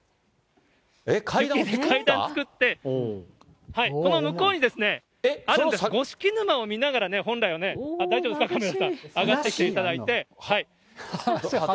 階段作って、この向こうにあるごしき沼を見ながらね、本来はね、大丈夫ですか、カメラさん、上がってきていただいて。